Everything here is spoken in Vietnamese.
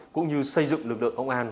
cũng như xây dựng lực lượng công an